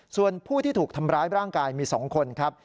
ส่วนผู้ที่ถูกทำร้ายร่างกายมี๒คนครับ